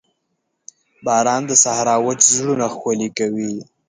باران د صحرا وچ زړونه ښکلي کوي.